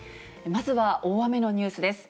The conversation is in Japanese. まずは大雨のニュースです。